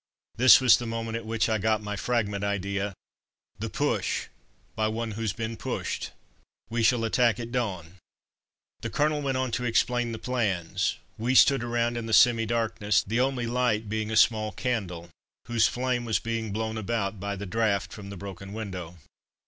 This was the moment at which I got my Fragment idea, "The push, by one who's been pushed!" "We shall attack at dawn!" The Colonel went on to explain the plans. We stood around in the semi darkness, the only light being a small candle, whose flame was being blown about by the draught from the broken window.